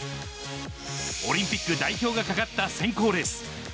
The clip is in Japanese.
オリンピック代表がかかった選考レース。